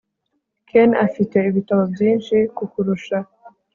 ken afite ibitabo byinshi kukurusha